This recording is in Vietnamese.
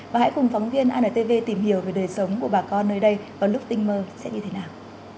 và hãy cùng phóng viên antv tìm hiểu về đời sống của bà con nơi đây vào lúc tinh mơ sẽ như thế nào